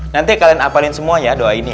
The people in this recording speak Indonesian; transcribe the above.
nanti kalian apalin semuanya doa ini ya